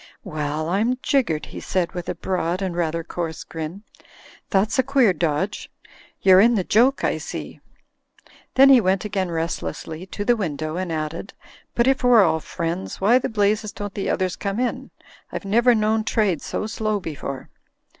"Well, I'm jiggered," he said, with a broad and rather coarse grin. "That's a queer dodge. You're in the joke, I see." Then he went again restlessly to the window; and added, "but if we're all friends, why the blazes don't the others come in? I've never Imown trade so slow before."